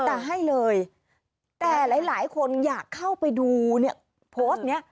แต่ให้เลยแต่หลายคนอยากเข้าไปดูเนี่ยโพสต์นี้